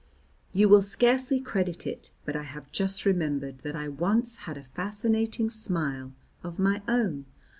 You will scarcely credit it, but I have just remembered that I once had a fascinating smile of my own.